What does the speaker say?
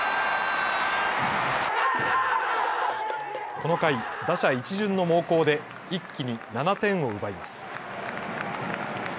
この回、打者一巡の猛攻で一気に７点を奪います。